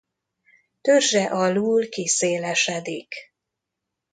Törzse alul kiszélesedik.